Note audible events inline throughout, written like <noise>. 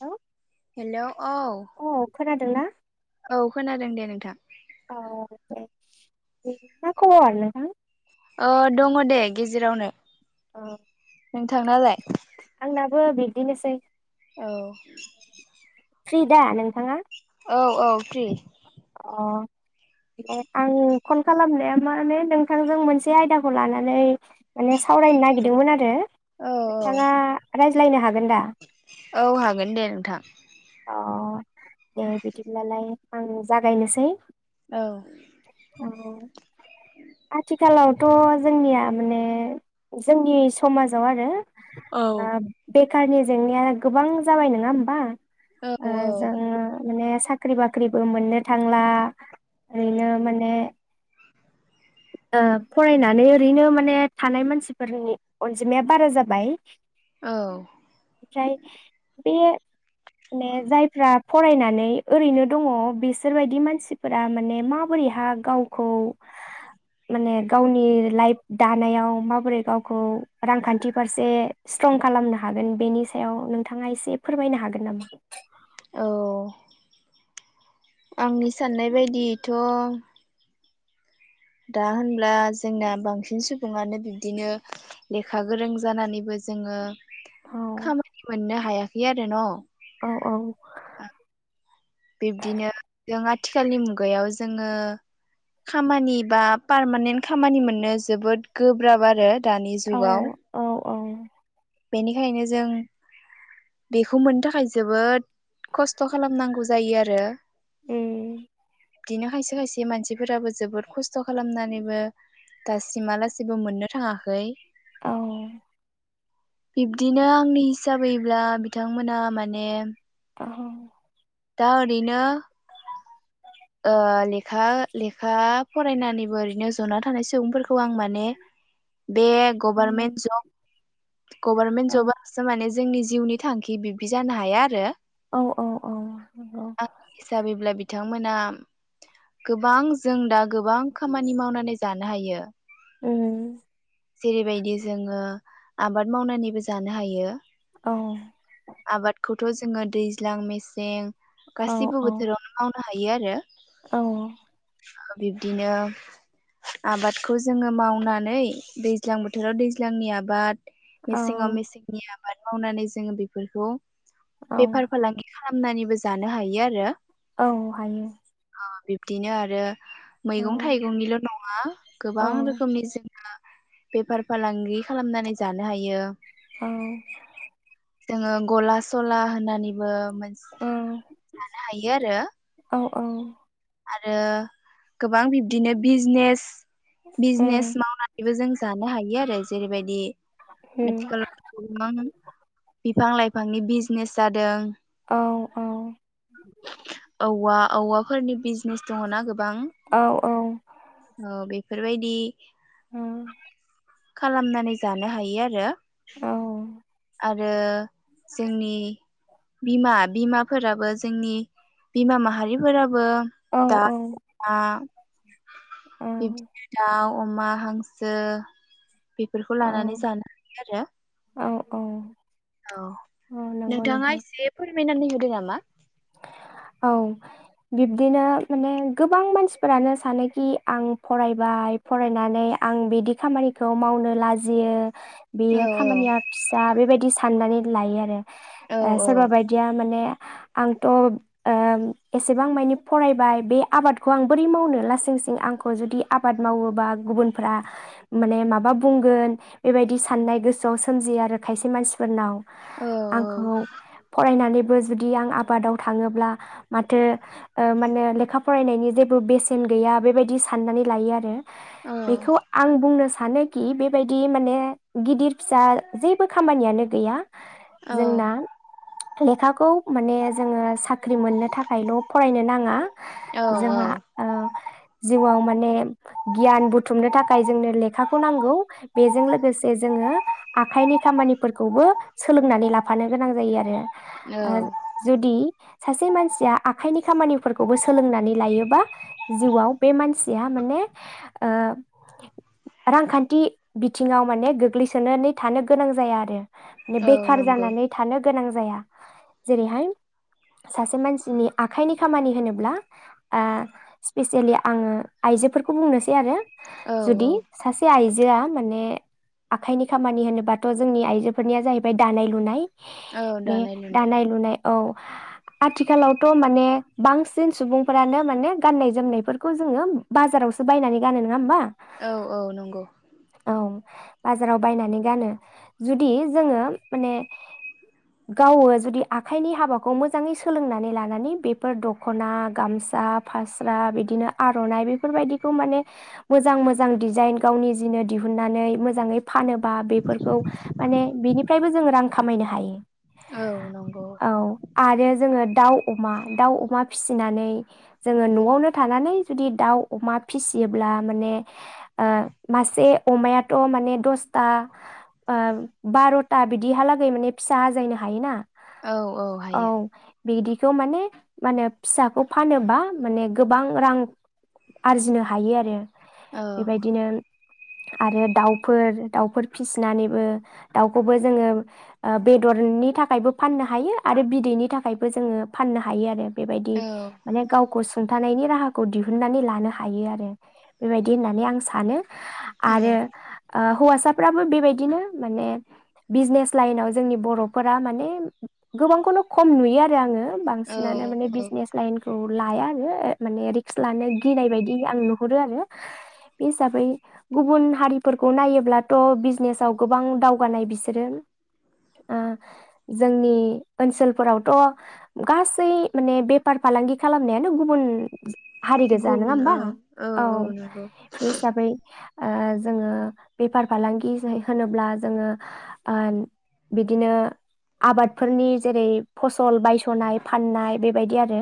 औ हेलौ औ खोनादों ना? औ खोनादों दे नोंथां। औ दे मा खबर नोंथां? ओ दङ दे गेजेरावनो। औ नोंथांनालाय? आंना बो बिदिनोसै। औ फ्रि दा नोंथाङा? औ औ फ्रि। अ दे आङो फन खालामनाया माने नोंथांजों मोनसे आयदाखौ लानानै माने सावरायनो नागिरदोंमोन आरो। <unintelligible> नोंथाङा राय <unintelligible> औ हागोन दे नोंथां। अ दे बिदिब्लालाय। आं जागायनोसै औ औ आथि थिखालाव जोंनिया माने जोंनि समाजाव आरो औ ओ बे सोरखारनि जेंनाया गोबां जाबाय नङा होमबा? ओ जोङो माने साख्रि बाख्रि ख्रिबो मोननो थांला ओरैनो माने ओ फरायनानै ओरैनो माने थानाय मानसिफोरनि अनजिमाया बारा जाबाय। औ ओमाय बे माने जायफ्रा फरायनानै ओरैनो दङ बिसोरबायदि मानसिफोरा माने माबोरैह गावखौ माने गावनि लाइफ दानायाव माबोरै गावखौ रांखान्थि फारसे स्ट्रं खालामनो हागोन बेनि सायाव नोंथाङा एसे फोरमायनो हागोन नामा? औ आंनि साननाय बायदियैथ' दा होनब्ला जोंना बांसिन सुबुङानो बिब्दिनो लेखा गोरों जानानैबो जोङो औ खामानि मोननो हाया यो आरो न औ औ बिब्दिनो जों आथिखालनि मुगायाव जोङो खामानि बा पारमानेन्ट खामानि मोननो जोबोद गोब्राब आरो दानि औ जुगाव औ औ बेनिखायनो जों बेखौ मोननो थाखाय जोबोद खस्थ खालामनांगौ जायो आरो ए बिदिनो खायसे खायसे मानसिफोराबो जोबोद खस्थ खालामनानैबो दासिमालासिबो मोननो थाङाखै औ बिब्दिनो आंनि हिसाबैब्ला बिथांमोना माने औ दा ओरैनो ओ लेखा लेखा फरायनानैबो ओरैनो जना थानाय सुबुंफोरखौ खौ आं माने बे गभारमेन्ट जब गभर्नमेन्ट जबासो माने जोंनि जिउनि थांखि बिब्दि जानो हाया आरो औ औ औ नंगौ आंनि हिसाबैब्ला बि बिथांमोना गोबां जों दा गोबां खामानि मावनानै जानो हायो उम जेरैबायदि जोङो आबाद मावनानैबो जानो हायो। औ दं जोंहा दैज्लां मेसें। औ गासिबो बोथोरावनो मावनो हायो आरो। औ बिब्दिनो आबादखौ जोङो मावनानै दैज्लां बोथोराव दैज्लांनि आबाद। औ मेसेंआव मेसेंनि आब आबाद मावनानै जोङो बेफोरखौ। बेेफार फलांगि। खालामनानैबो जानो हायो आरो औ हायो। अ बिब्दिनो आरो। औ मैगं थायगंनिल नङा औ गोबां रोखोमनि जों <unintelligible> बेफार फालांगि खालामनानै जानो हायो। औ जोङो गला सला होनानैबो मोनस जानो हायो आरो। औ उम औ औ औ। आरो गोबां बिब्दिनो बिजनेस बिजनेस मावनानैबो जों जानो हायो आरो। जेरैबायदि। आथिखालाव गोबां बिफां लाइफ फांनि बिजनेस जादों। औ औ औवा औवाफोरनि बिजनेस दङना गो। बां औ बे बेफोरबायदि। खालामनानै जानो हायो आरो आरो जोंनि बिमा। बिमाफोराबो जोंनि बिमा माहारिफोराब ओ दा जोंहा। बिबदिनो दाउ। अमा, हांसो बेफोरखौ लानानै जानो हायो आरो। औ औ। औ औ नंगौ नोंथाङा नोंथां एसेफोर फैनानै होदोनामा । औ बिब्दिनो माने गोबां मानसिफोरानो सानोखि आं फरायबाय फरायनानै आं बिदि खामानिखौ मावनो लाजियो औ बेयो खामानिया फिसा बेबायदि साननानै लायो आरो औ ओ सोरबा बायदिया माने आंथ ओ एसेबां मानि फरायबाय बे आबादखौ आं बोरै मावनो लासिं सिं आंखौ जुदि आबाद मावोबा गुबुनफ्रा माने माबा बुंगोन बेबायदि साननाय गोसोआव सोमजियो आरो खायसे मानसिफोरनाव औ आंखौ फरायनानै <unintelligible> आबादाव थाङोब्ला माथो ओ माने लेखा फरायनायनि जेबो बेसेन गैया बेबायदि साननानै लायो आरो औ बेखौ आं बुंनो स सानोखि बेबायदि माने गिदिर फिसा जेबो खामानियानो गैया औ जोंना लेखाखौ माने साख्रि मोननो थाखायल फरायनो नाङा जोंहा औ ओ‌ जिउआव माने गियान बुथुमनो थाखाय जोंनो लेखाखौ नांगौ बेजों लोगोसे जोङो आखाइनि खामानिफोरखौबो सोलोंनानै लाफानो गोनां जायो आरो औ। ओ जुदि सासे मानसिया आखाइनि खामानिफोरखौबो सोलोंनानै लायोबा जिउआव बे मानसिया माने ओ रांखान्थि बिथिङाव माने गोग्लैसोनानै थानो गोनां जाया आरो औ बेखार नंगौ जानानै थानो गोनां जाया जेरै थाय सासे मानसिनि आखाइनि खामानि होनोब्ला ओ स्पेसियेलि आङो आइजोफोरखौ बुंनोसै आरो औ जुदि औ सासे आइजो आइजोआ माने आखाइनि खामानि होनोबाथ जोंनि आइजोफोरनिया जाहैबाय दानाय लुनाय औ बे दानाय लुनायाव लुनाय औ आथिखालावथ माने बांसिन सुबुंफोरानो माने गाननाय जोमनायफोरखौ जोङो बाजारावसो बायनानै गानो नङा होमबा औ नंगौ औ बाजाराव बायनानै गानो जुदि जोङो माने गावो जुदि आखाइनि हाबाखौ मोजाङै सोलोंनानै लानानै बेफोर दखना गामसा फास्रा बिदिनो आरनाइ बेफोरबायदिखौ माने मोजां मोजां दिडिजाइन गावनि जिनो दिहुनन्नानै मोजाङै फानोबा बेफोरखौ माने बेनिफ्रायबो जों रां खामायनो हायो औ औ आरो जोङो दाउ अमा दाउ अमा फिसि फिसिनानै जोङो नआवनो थानानै जुदि दाउ अमा फिसियोब्ला माने मासे अमायाथ माने दसथा बारथा बिदिहालागै माने फिसा हाजायनो हायोना औ औ हायो बिदिखौ माने माहोनो फिसाखौ फानोबा माने गोबां रां आरजिनो हायो आरो औ बेबायदिनो आरो दाउफोर दाउफोर फिसिनानैबो दाउखौबो जोङो बेदरनि थाखायबो फाननो हा हायो आरो बिदैनि थाखायबो जोङो फाननो हायो आरो बेबायदि औ माने गाव गावखौ सुंथानायनि राहाखौ दिहुनन्नानै लानो हायो आरो बेबायदि होननानै आं सानो औ आरो हौवासाफ्राबो बेबायदिनो माने बिजनेस लाइनाव जोंनि बरफोरा माने गोबांखौनो खम नुयो आरो आङो। बांसिनानो माने औ औ बिजनेस लाइनखौ लाया आरो ओ माने रिक्स लानो गिनाय बायदि आं नुहुरो आरो। बे हिसाबै गुबुन हारिफोरखौ नायोब्लाथ' बिजनेसाव गोबां दावगानाय बिसोरो। आ जोंनि ओनसोलफोरावथ' गासै माने बेपार फालांगि खालामनायानो गुबुन हारि गोजा नङा गुबुन होमबा औ औ बे हिसाबै ओ जोङो बेफार फालांगि होनोब्ला जोङो ओ बिदिनो आबाद फोरनि जेरै फसल बायसनाय फाननाय बेबायदि आरो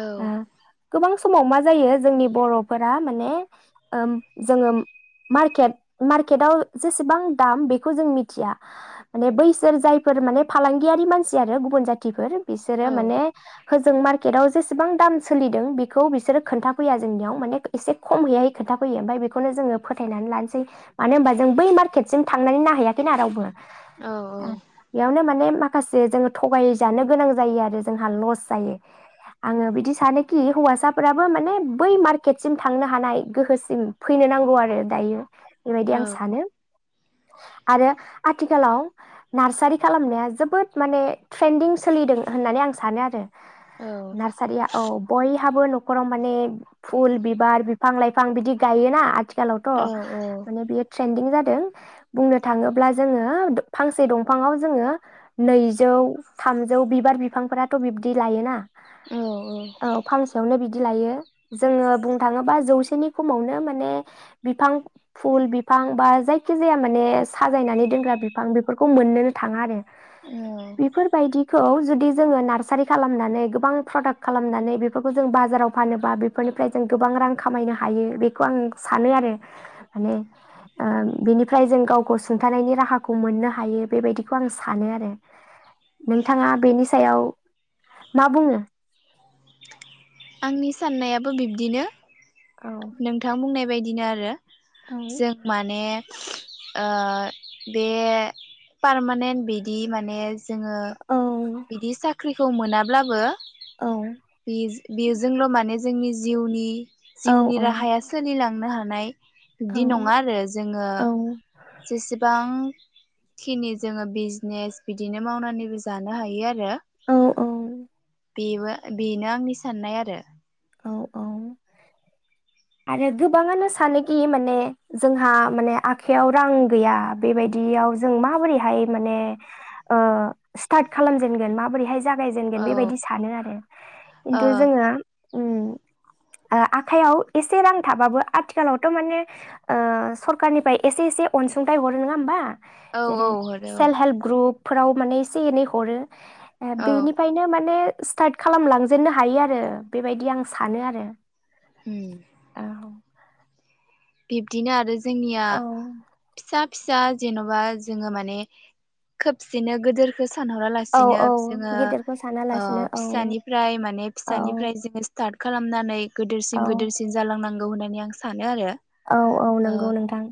औ गोबां समाव मा जायो जोंनि बरफोरा माने ओ जोङो मारकेट मारकेटयाव जेसेबां दाम बेखौ जों मिथिया माने बैसोर जायफोर माने फालांगि गियारि मानसि आरो गुबुन जाथिफोर बिसोरो औ माने होजों मार्केटआव जेसेबां दाम सोलिदों बेखौ बिसोरो खोन्थाफैया जोंनियाव माने एसे खम हैयै खोनथाफैयो ओमफाय बेखौनो जोङो फोथायनानै लानोसै मानो होनबा जों बै मार्केटसिम थांनानै नायहैयाखैना रावबो औ बेयावनो माने माखासे जोङो थगायजानो गोनां जायो आरो जोंहा लस जायो आङो बिदि सानोखि हौवासाफोराबो माने बै मार्केटसिम थांनो हानाय गोहोसिम फैनो नांगौ आरो दायो बेबायदि औ आं सानो आरो आथिखालाव नार्सारि खालामनाया जोबोद माने ट्रेन्दिं सोलिदों होननानै आं सानो आरो नार्सारिया औ बय हाबो नखराव माने फुल बिबार बिफां लाइफां बिदि गायोना आथि खालावथ' औ औ माने बियो ट्रेन्दिं जादों बुंनो थाङोब्ला जोङो फांसे दंफाङाव जोङो नैजौ थामजौ बिबार बिफांफोराथ बिब्दि लायोना औ फांसेयावनो बि बिदि लायो जोङो बुंनो थाङोबा जौसेनि खमावनो माने बिफां फुल बिफां बा जायखि जाया माने साजायनानै दोनग्रा बिफां बेफोरखौ मोननोनो थाङा आरो। औ बेफोरबायदिखौ जुदि जोङो नार्सारि खालामनानै गोबां प्रडाक्ट खालामनानै बेफोरखौ जों बाजाराव फानोबा बेफोरनिफ्राय जों गोबां रां खामायनो हायो बेखौ आं सानो आरो माने आ बिनिफ्राय जों गावखौ सुंथानायनि राहाखौ मोननो हायो बेबायदिखौ आं सानो आरो नोंथाङा बेनि सायाव मा बुंनो आंनि साननायाबो बिब्दिनो। औ नोंथां बुंनाय बायदि दिनो आरो जों माने ओ बे पारमानेन्ट बिदि माने जोङो औ बिदि साख्रि खौ मोनाब्लाबो बे औ बेजोंल माने जोंनि जिउनि औ जिउनि राहाया सोलिलां नो हानाय औ बिब्दि नङा आरो जोङो औ जेसेबां खिनि जोङो बिजनेस बिदिनो मावनानैबो जा हायो <unintelligible> औ औ बेबो बेनो आंनि साननाय आरो। औ औ आरो गोबाङानो सानोखि माने जोंहा माने आखयाव रां गैया बेबायदियाव जों माबोरैहाय माने उ स्टार्ट खालामजेनगोन माबोरैहाय जागायजेनगोन औ बेबायदि सानो आरो ओ खिन्थु जोङो उम उ आखायाव एसे रां थाबाबो आथिखालावथ माने ओ सरखारनिफाय एसे एसे अनसुंथाइ हरो नङा होमबा? औ जेरै आरो औ सेल्फ हेल्प ग्रुप फोराव माने एसे एनै हरो आ औ बेनिफ्रायनो माने स्टार्ट खालामलांजेननो हायो आरो बेबायदि आं सानो आरो उम बिब्दिनो आरो जोंनिया औ फिसा फिसा जेनबा जोङो माने खोबसेनो गोदोरखौ औ सानहरालासिनो औ जोंङो गेदेरखौ ओ सानालासिनो औ फिसानिफ्राय माने औ फिसानिफ्राय जोङो स्टार्ट खालामनानै औ गिदोरसिन गोदोरसिन जालांनां गौ होननानै आं सानो आरो औ औ ओ नंगौ नोंथां ।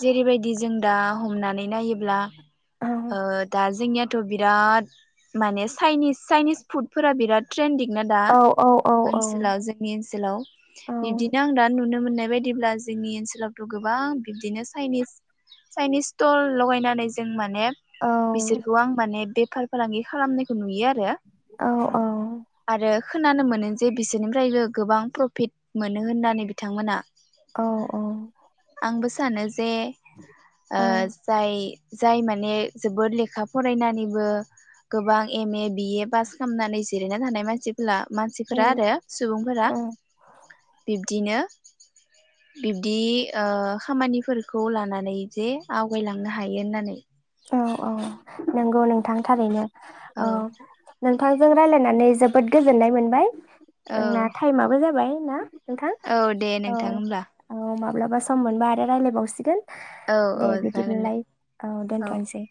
जेरैबायदि जों दा हमनानै नायोब्ला औ ओ दा जोंनि या थ' बिराद माने चाइनिस चाइनिस फुड फोरा बिराद ट्रेदिं ना दा औ औ औ औ ओनसोलाव जोंनि ओनसोलाव औ बिबदिनो आं दा नुनो मोनो नाय बायदिब्ला जोंनि ओनसोलावथ गोबां बिबदिनो चाइनिस चाइनिस सटल लगायनानै जों मा नेप औ बिसोरखौ आं माने बे फाल फालांगि खालामनायखौ नुयो आरो औ औ । आरो खोनानो मोनो जे बिसोरनिफ्रायबो गोबां प्रफिट मोनो होननानै बिथांमोना औ औ सानोस जे ओ जाय जाय माने जोबोद लेखा फरायनानैबो गोबां एम ए बिए पास खामनानै जिरायना थानाय मानसि ब्ला मानसिफोरा उम आरो सुबुंफोरा उम बिब दिनो बिब्दि ओ खामानिफोरखौ लानानै जे आवगायलांनो हायो होननानै औ औ नंगौ नोंथां थारैनो । औ नोंथांजों रायज्लायनानै जोबोद गोजोननाय मोनबाय। औ जोंना टाइमाबो जाबाय ना नोंथां औ दे औ नोंथां होमब्ला औ माब्लाबा सम मोनबा आरो रायलायबावसिगोन औ औ दे जागोन दे बिदिब्लालाय औ दोन बांसेै